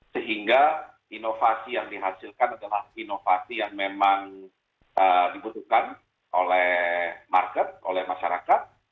sehingga inovasi yang dihasilkan adalah inovasi yang memang dibutuhkan oleh market oleh masyarakat